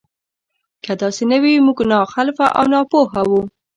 که داسې نه وي موږ ناخلفه او ناپوهه وو.